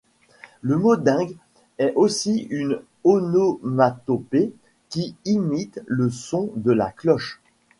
Le mot ding est aussi une onomatopée qui imite le son de la cloche.